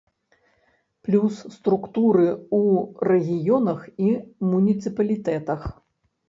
Плюс структуры ў рэгіёнах і муніцыпалітэтах.